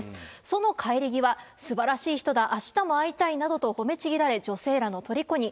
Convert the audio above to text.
その帰り際、すばらしい人だ、あしたも会いたいなどと褒めちぎられ、女性らのとりこに。